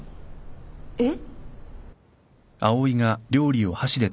えっ？